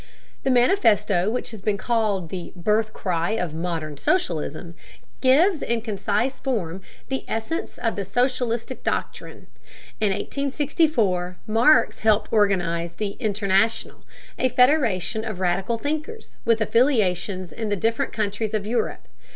The Manifesto, which has been called the "birth cry of modern socialism," gives in concise form the essence of the socialist doctrine. In 1864 Marx helped organize the "International," a federation of radical thinkers, with affiliations in the different countries of Europe.